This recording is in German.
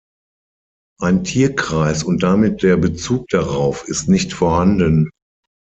Ein Tierkreis und damit der Bezug darauf ist nicht vorhanden.